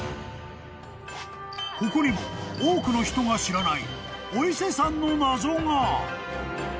［ここにも多くの人が知らないお伊勢さんの謎が］